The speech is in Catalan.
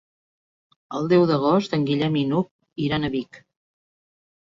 El deu d'agost en Guillem i n'Hug iran a Vic.